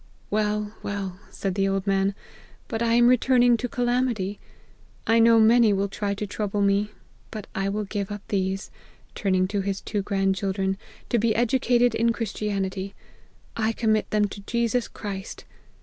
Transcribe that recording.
" Well, well,' said the old man ;' but I am re turning to calamity; I know many will try to trouble me ; but I will give up these,' turning to his two grand children, ' to be educated in Christi anity ; I commit them to Jesus Christ